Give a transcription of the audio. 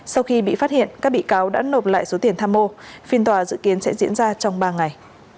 sau khi bị phát hiện các bị cáo đã nộp lại số tiền tham mô phiên tòa dự kiến sẽ diễn ra trong ba ngày